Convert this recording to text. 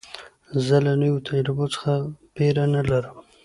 زه له نوو تجربو څخه بېره نه لرم.